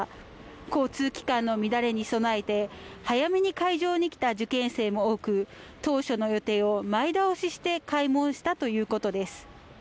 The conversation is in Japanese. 交通機関の乱れに備えて早めに会場に来た受験生も多く当初の予定を前倒しして開門したということです